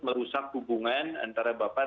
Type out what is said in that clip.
merusak hubungan antara bapak